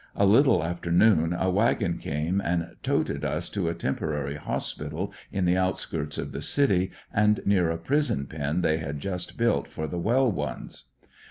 A little after noon a wagon came and toted us to a temporary hospital in the outskirts of the city, and near a prison pen they had just built for the well ones.